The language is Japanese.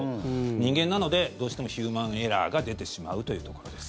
人間なので、どうしてもヒューマンエラーが出てしまうというところです。